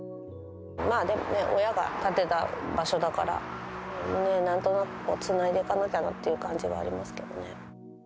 でもね、親が建てた場所だから、なんとなくつないでいかなきゃなっていう感じはありますけどね。